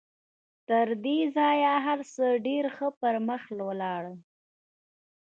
تر دې ځايه هر څه ډېر ښه پر مخ ولاړل.